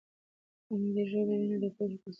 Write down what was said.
که مادي ژبه وي، نو د پوهې په خپرولو کې هېڅ خنډ نسته.